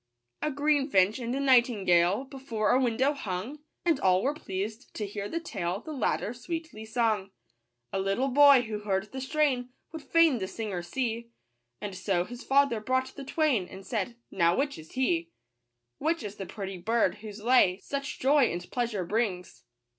A greenfinch and a nightingale Before a window hung, S And all were pleased to hear the tale The latter sweetly sung. ^ A little boy who heard the strain Would fain the singer see ; And so his father brought the twain, And said, " Now, which is he, — £2 5 Which is the pretty bird whose lay Such joy and pleasure brings